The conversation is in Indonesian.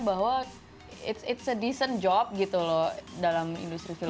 bahwa it's a decent job gitu loh dalam industri film ini